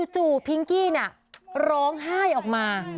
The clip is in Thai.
จู่พิงกี้ร้องไห้ออกมา